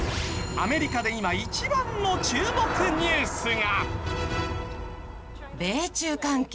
アメリカで今一番の注目ニュースが。